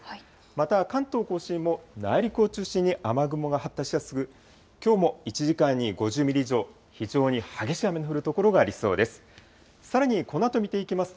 また関東甲信も内陸を中心に雨雲が発達しやすく、きょうも１時間に５０ミリ以上、非常に激しい雨の降る所がありそうです。